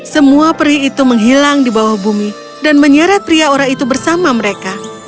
semua peri itu menghilang di bawah bumi dan menyeret pria ora itu bersama mereka